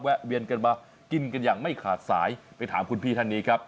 เวียนกันมากินกันอย่างไม่ขาดสายไปถามคุณพี่ท่านนี้ครับ